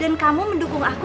dan kamu mendukung aku